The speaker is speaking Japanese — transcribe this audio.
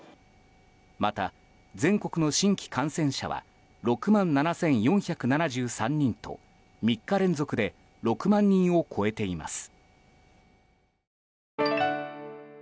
また全国の新規感染者は６万７４７３人と３日連続で６万人を超えています。